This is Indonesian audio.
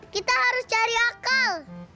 kita harus cari akal